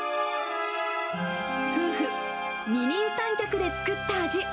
夫婦二人三脚で作った味。